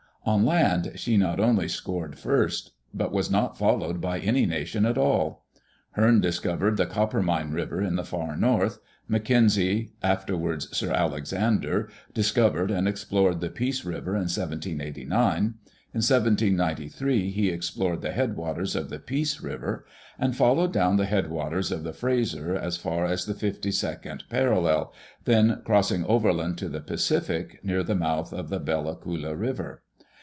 On land she not only scored first, but was not followed by any nation at all. Heam 4iscovcrcd the Coppermine River in the far north; Mackenzie, afterwards Sir Alexander, discovered and explored the Peace River in 1789; in 1793 he explored the headwaters of the Peace River, and followed down the headwaters of the Frazer, as far as the fifty second parallel, then crossing overland to the Pacific, near the mouth of the Bella Coola River.